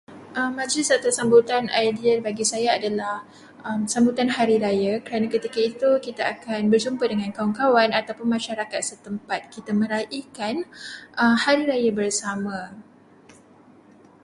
Majlis atau sambutan ideal bagi saya adalah sambutan hari raya kerana ketika itu kita akan berjumpa dengan kawan-kawan ataupun masyarakat setempat. Kita meraikan hari raya bersama.